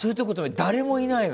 誰もいないの。